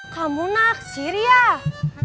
kamu nak siriah